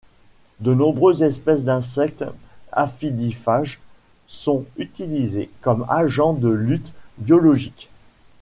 De nombreuses espèces d'insectes aphidiphages sont utilisées comme agents de lutte biologique.